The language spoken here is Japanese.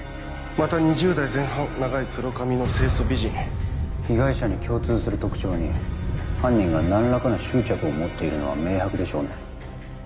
また２０代前半長い黒髪の清楚美人被害者に共通する特徴に犯人が何らかの執着を持っているのは明白でしょうね